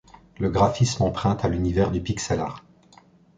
Le graphisme emprunte à l'univers du pixel art.